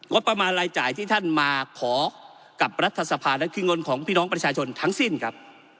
ประมาณรายจ่ายที่ท่านมาขอกับรัฐสภาและคือเงินของพี่น้องประชาชนทั้งสิ้นครับ